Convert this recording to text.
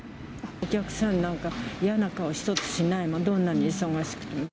お客さんなんか、嫌な顔一つしないもん、どんなに忙しくても。